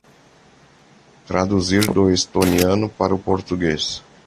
Traduzir do estoniano para o português